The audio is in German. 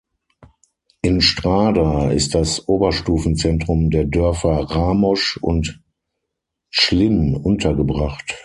In Strada ist das Oberstufenzentrum der Dörfer Ramosch und Tschlin untergebracht.